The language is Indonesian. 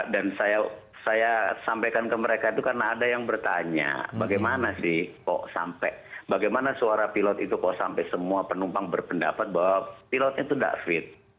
dan saya sampaikan ke mereka itu karena ada yang bertanya bagaimana sih kok sampai bagaimana suara pilot itu kok sampai semua penumpang berpendapat bahwa pilotnya itu tidak fit